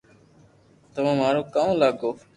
تمو مارو ڪاو لاگو